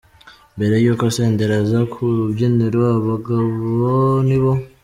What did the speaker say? Mbere yuko Senderi aza ku rubyiniro aba bagabo nibo.